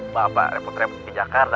bapak repot repot di jakarta